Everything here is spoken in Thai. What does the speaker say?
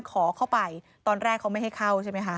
ขอเข้าไปตอนแรกเขาไม่ให้เข้าใช่ไหมคะ